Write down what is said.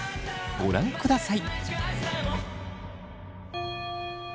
ご覧ください。